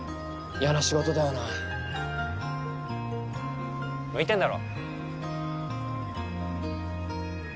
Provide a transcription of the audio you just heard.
嫌な仕事だよな向いてんだろ？